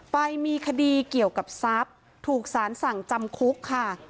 ไปมีคดีเกี่ยวกับทรัพย์ถูกสารสั่งจำคุกค่ะ